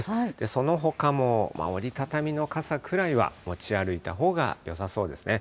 そのほかも、折り畳みの傘くらいは持ち歩いたほうがよさそうですね。